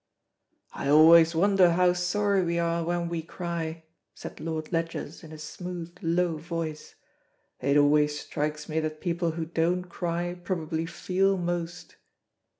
"I always wonder how sorry we are when we cry," said Lord Ledgers in a smooth, low voice. "It always strikes me that people who don't cry probably feel most."